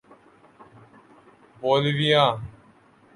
Bolivia